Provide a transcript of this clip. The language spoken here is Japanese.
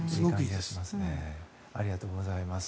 ありがとうございます。